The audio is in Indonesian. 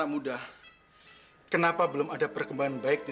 sudah kacau gak ada perkembangan bagi qss